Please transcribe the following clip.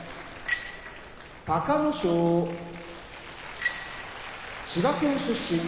隆の勝千葉県出身